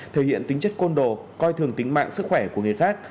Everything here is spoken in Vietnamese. thể hiện tính chất côn đồ coi thường tính mạng sức khỏe của người khác